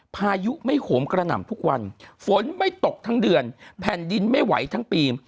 พายุไม่โหมกระหน่ำทุกวันฝนไม่ตกทั้งเดือนแผ่นดินไม่ไหวทั้งปี